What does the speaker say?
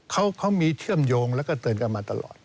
เขามีเชื่อมโยงแล้วก็เตือนกันมาตลอด